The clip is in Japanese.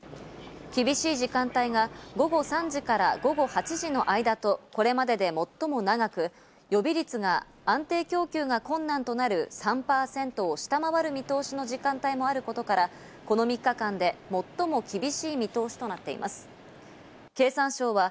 厳しい時間帯が午後３時から午後８時までの間と、これまでで最も長く、予備率が安定供給が困難となる３％を下回る見通しの時間帯もあることから、この３日間で最も厳しい見通しとなっています。